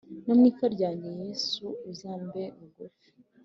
No mu ipfa ryanjye yesu uzambe bugufi